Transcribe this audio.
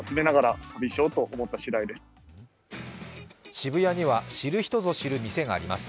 渋谷には、知る人ぞ知る店があります。